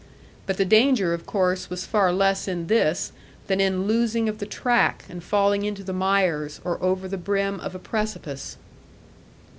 But the danger of course was far less in this than in losing of the track, and falling into the mires, or over the brim of a precipice.